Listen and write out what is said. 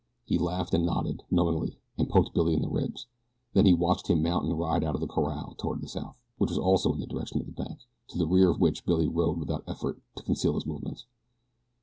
He laughed and nodded, knowingly, and poked Billy in the ribs. Then he watched him mount and ride out of the corral toward the south which was also in the direction of the bank, to the rear of which Billy rode without effort to conceal his movements.